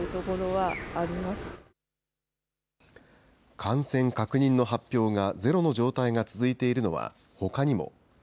感染確認の発表がゼロの状態が続いているのはほかにも。